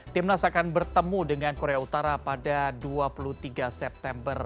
timnas akan bertemu dengan korea utara pada dua puluh tiga september